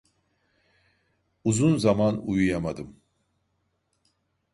Uzun zaman uyuyamadım.